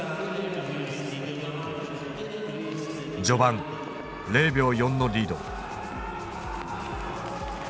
序盤０秒４のリード。